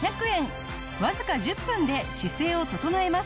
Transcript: わずか１０分で姿勢を整えます。